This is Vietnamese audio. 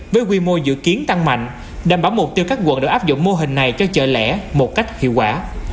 với quy mô dự kiến tăng mạnh đảm bảo mục tiêu các quận đều áp dụng mô hình này cho chợ lẻ một cách hiệu quả